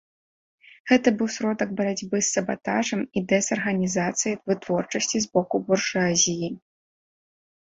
Гэта быў сродак барацьбы з сабатажам і дэзарганізацыяй вытворчасці з боку буржуазіі.